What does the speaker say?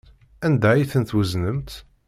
Anda ay ten-tweznemt?